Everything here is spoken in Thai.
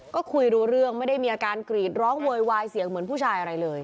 ก็คุยรู้เรื่องไม่ได้มีอาการกรีดร้องโวยวายเสียงเหมือนผู้ชายอะไรเลย